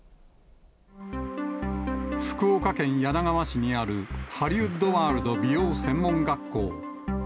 福岡県柳川市にあるハリウッドワールド美容専門学校。